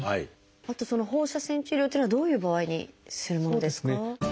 あとその放射線治療っていうのはどういう場合にするものですか？